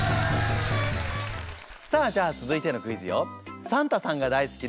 さあじゃあ続いてのクイズよ。